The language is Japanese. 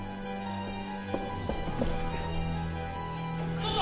ちょっと！